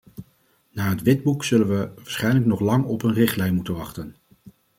Na het witboek zullen we waarschijnlijk nog lang op een richtlijn moeten wachten.